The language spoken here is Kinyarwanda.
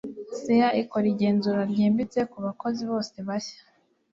CIA ikora igenzura ryimbitse kubakozi bose bashya.